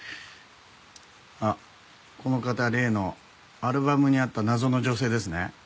あっこの方例のアルバムにあった謎の女性ですね。